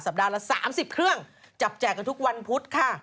ปัดละ๓๐เครื่องจับแจกกันทุกวันพุธค่ะ